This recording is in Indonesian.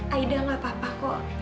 aida gak apa apa kok